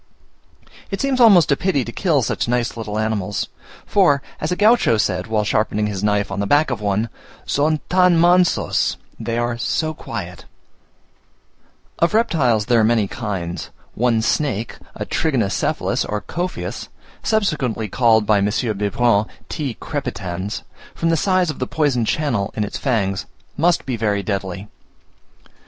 It seems almost a pity to kill such nice little animals, for as a Gaucho said, while sharpening his knife on the back of one, "Son tan mansos" (they are so quiet). Of reptiles there are many kinds: one snake (a Trigonocephalus, or Cophias ), from the size of the poison channel in its fangs, must be very deadly.